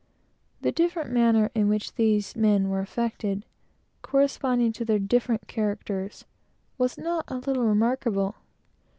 The different manner in which these men were affected, corresponding to their different characters, was not a little remarkable.